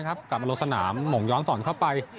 กลับมาลงสนามหม่งย้อนสอนเข้าไป